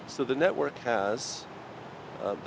một đồng hành